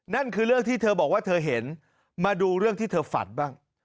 นั่นคือเรื่องที่เธอบอกว่าเธอเห็นมาดูเรื่องที่เธอฝันบ้าง